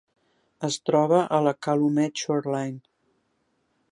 Es troba a la Calumet Shoreline.